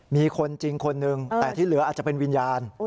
มีคนจริงคนหนึ่งแต่ที่เหลืออาจจะเป็นวิญญาณ